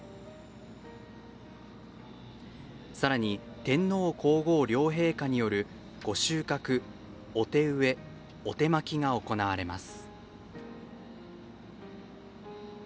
さらに、天皇皇后両陛下による御収穫、お手植えお手播きが行われます。